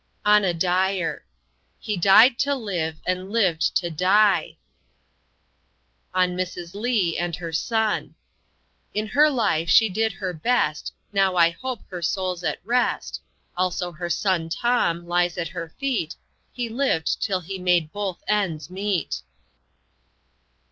On a dyer: "He died to live and lived to dye." On Mrs. Lee and her son: "In her life she did her best Now I hope her soul's at rest. Also her son Tom lies at her feet He lived till he made both ends meet."